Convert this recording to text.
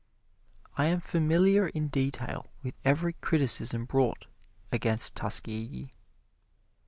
I am familiar in detail with every criticism brought against Tuskegee.